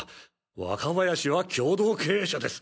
若林は共同経営者です。